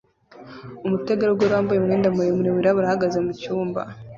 Umutegarugori wambaye umwenda muremure wirabura ahagaze mucyumba